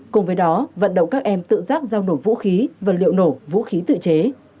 cùng với đó vận động các em tự giác giao nổ vũ khí vật liệu nổ vũ khí tự chế